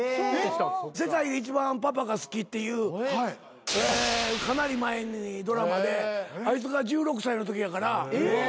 『世界で一番パパが好き』っていうかなり前にドラマであいつが１６歳のときやから。